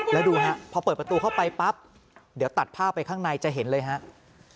แล้วดูฮะพอเปิดประตูเข้าไปปั๊บเดี๋ยวตัดภาพไปข้างในจะเห็นเลยครับ